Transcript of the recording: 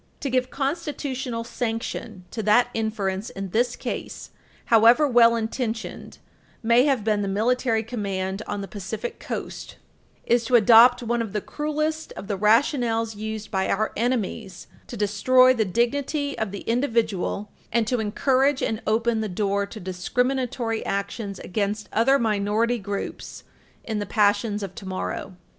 To give constitutional sanction to that inference in this case, however well intentioned may have been the military command on the Pacific Coast, is to adopt one of the cruelest of the rationales used by our enemies to destroy the dignity of the individual and to encourage and open the door to discriminatory actions against other minority groups in the passions of tomorrow.